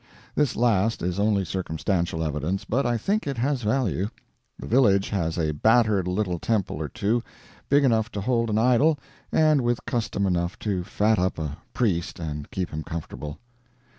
This last is only circumstantial evidence, but I think it has value. The village has a battered little temple or two, big enough to hold an idol, and with custom enough to fat up a priest and keep him comfortable.